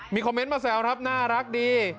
คอมเมนต์มาแซวครับน่ารักดี